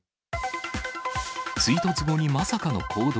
追突後にまさかの行動。